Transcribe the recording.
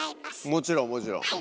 もちろんもちろん。